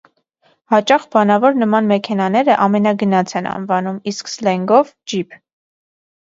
Հաճախ բանավոր նման մեքենաները ամենագնաց են անվանում, իսկ սլենգով՝ «ջիփ»։